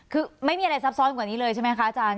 คือไม่มีอะไรซับซ้อนกว่านี้เลยใช่ไหมคะอาจารย์